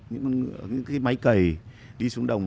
những cái máy cầy đi súng đồng